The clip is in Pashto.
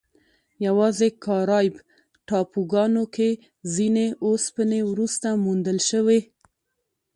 یواځې کارایب ټاپوګانو کې ځینې اوسپنې وروسته موندل شوې.